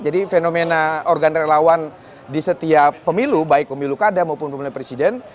jadi fenomena organ relawan di setiap pemilu baik pemilu kadam maupun pemilu presiden